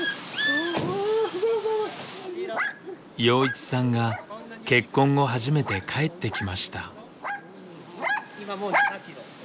陽一さんが結婚後初めて帰ってきました。